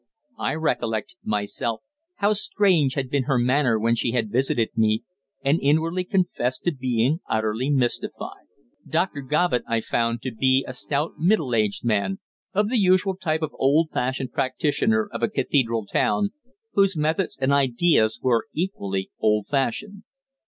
I recollected, myself, how strange had been her manner when she had visited me, and inwardly confessed to being utterly mystified. Doctor Govitt I found to be a stout middle aged man, of the usual type of old fashioned practitioner of a cathedral town, whose methods and ideas were equally old fashioned.